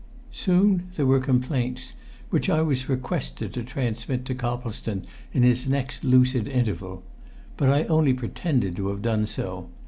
Soon there were complaints which I was requested to transmit to Coplestone in his next lucid interval. But I only pretended to have done so.